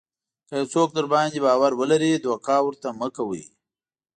که یو څوک درباندې باور لري دوکه ورته مه کوئ.